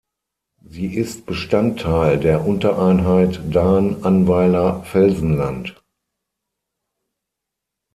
Sie ist Bestandteil der Untereinheit Dahn-Annweiler Felsenland.